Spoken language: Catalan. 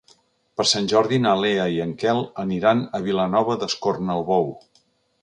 Per Sant Jordi na Lea i en Quel aniran a Vilanova d'Escornalbou.